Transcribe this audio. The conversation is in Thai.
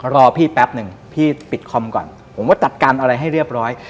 รอพี่แป๊บหนึ่งพี่ปิดคอมก่อนผมว่าจัดการอะไรให้เรียบร้อย